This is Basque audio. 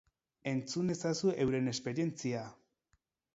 Entzun ezazu euren esperientzia!